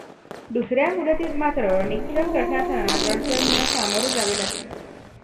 दुसऱ्या मुदतीत मात्र निक्सन प्रशासनास अडचणींना सामोरे जावे लागले.